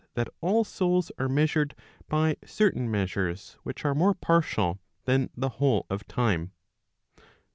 that all souls are measured by certain measures which are more partial than the whole of time.